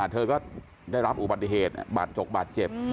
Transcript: เธอก็ได้รับอุบัติเหตุบาดจกบาดเจ็บ